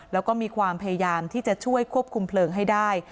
แล้วก็มีความพยายามที่จะช่วยควบคุมเพลิงให้ได้